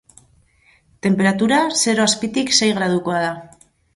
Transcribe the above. Tenperatura zero azpitik sei gradukoa da.